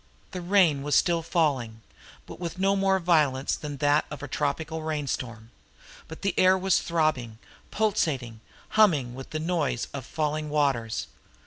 The rain was still falling, but with no more violence than that of a tropical rainstorm. But the air was throbbing, pulsating, humming with the noise of falling waters.